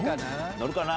乗るかな？